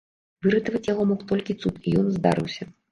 Выратаваць яго мог толькі цуд, і ён здарыўся.